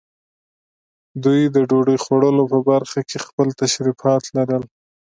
دوی د ډوډۍ خوړلو په برخه کې خپل تشریفات لرل.